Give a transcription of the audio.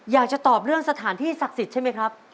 อยากจะตอบเรื่องสถานที่ศักดิ์สิทธิ์ใช่ไหมครับ